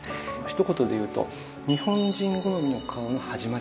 ひと言で言うと日本人好みの顔の始まりなんですね。